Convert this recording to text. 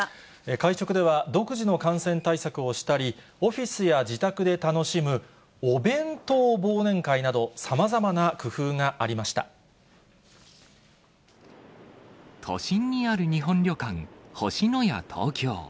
会食では、独自の感染対策をしたり、オフィスや自宅で楽しむお弁当忘年会など、さまざまな工都心にある日本旅館、星のや東京。